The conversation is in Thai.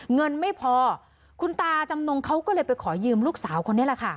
เงินไม่พอคุณตาจำนงเขาก็เลยไปขอยืมลูกสาวคนนี้แหละค่ะ